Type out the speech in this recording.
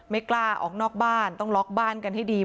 ไม่กล้าออกนอกบ้านต้องล็อกบ้านกันให้ดี